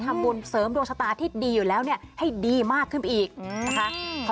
ทำบุญเสริมดวงชะตาที่ดีอยู่แล้วเนี่ยให้ดีมากขึ้นอีกนะคะ